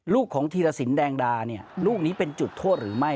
ลูกของธีรสินแดงดาเนี่ยลูกนี้เป็นจุดโทษหรือไม่